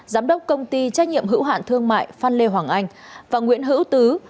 giám đốc công ty trách nhiệm hữu hạn thương mại phan lê hoàng anh và nguyễn hữu tứ